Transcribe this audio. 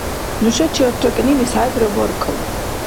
Нушачи гьарракӀнилис хӀедра баркалла.